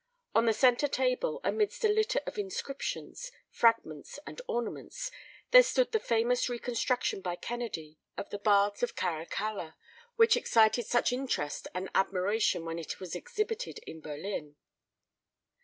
On the centre table, amidst a litter of inscriptions, fragments, and ornaments, there stood the famous reconstruction by Kennedy of the Baths of Caracalla, which excited such interest and admiration when it was exhibited in Berlin.